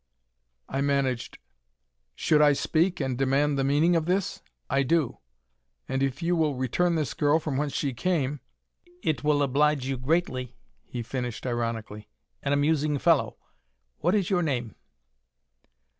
I managed, "Should I speak, and demand the meaning of this? I do. And if you will return this girl from whence she came " "It will oblige you greatly," he finished ironically. "An amusing fellow. What is your name?"